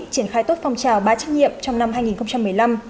triển khai tốt phong trào ba trách nhiệm trong năm hai nghìn một mươi năm